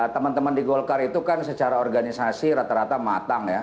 teman teman di golkar itu kan secara organisasi rata rata matang ya